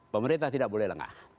pemerintah tidak boleh lengah